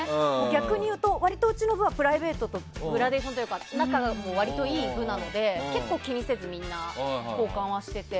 逆に言うと割と、うちの部はプライベートとかで仲が割といい部なので結構、気にせずみんな交換はしてて。